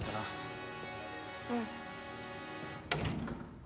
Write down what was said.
うん。